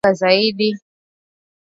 Mbuzi huathirika zaidi na ugonjwa wa ngozi